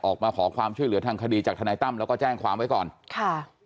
ออกมาขอความช่วยเหลือทางคดีจากทนายตั้มแล้วก็แจ้งความไว้ก่อนค่ะ